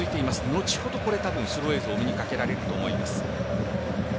後ほどスロー映像をお目にかかれると思います。